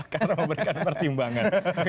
karena memberikan pertimbangan